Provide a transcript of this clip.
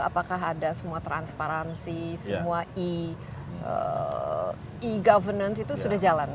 apakah ada semua transparansi semua e governance itu sudah jalan